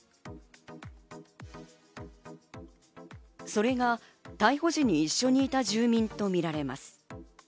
それが逮捕時に一緒にいた住民とみられます。